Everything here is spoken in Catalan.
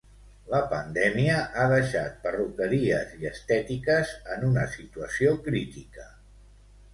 La pandèmia ha deixat perruqueries i estètiques en una situació crítica.